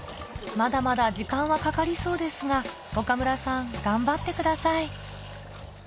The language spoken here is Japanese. まだまだ時間はかかりそうですが岡村さん頑張ってください！